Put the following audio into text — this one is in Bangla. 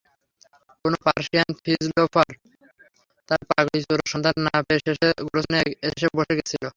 কোনো পার্শিয়ান ফিলজফার তার পাগড়ি-চোরের সন্ধান না পেয়ে শেষে গোরস্থানে এসে বসে ছিল।